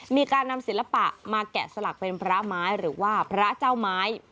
มีการนำศิลปะมาแกะสลักเป็นพระไม้หรือว่าพระเจ้าไม้